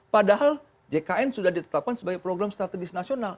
padahal jkn sudah ditetapkan sebagai program strategis nasional